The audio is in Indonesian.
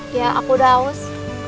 ya aku udah haus